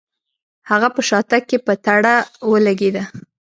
هغه په شاتګ کې په تړه ولګېد.